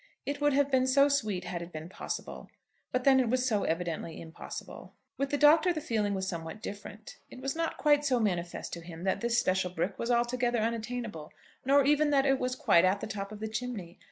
It would have been so sweet had it been possible; but then it was so evidently impossible. With the Doctor the feeling was somewhat different. It was not quite so manifest to him that this special brick was altogether unattainable, nor even that it was quite at the top of the chimney.